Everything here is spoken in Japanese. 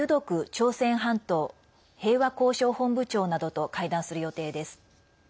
朝鮮半島平和交渉本部長などと会談する予定です。